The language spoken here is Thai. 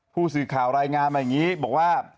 ผู้สื่อข่าวรายงานมาอย่างนี้บอกว่า